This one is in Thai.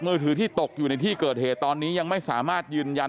มือถือที่ตกอยู่ในที่เกิดเหตุตอนนี้ยังไม่สามารถยืนยัน